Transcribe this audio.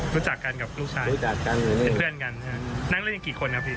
รู้จักกันกับลูกชายเป็นเพื่อนกันใช่ไหมครับนั่งเล่นกี่คนครับพี่